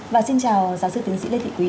và xin chào giáo sư tiến sĩ lê thị quý